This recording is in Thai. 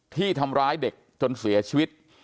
ที่ทำร้ายเด็กจนเสียชีวิต